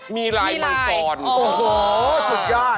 มีลายมังกรโอ้โหสุดยอด